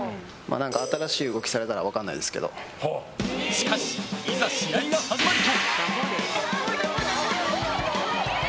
しかし、いざ試合が始まると。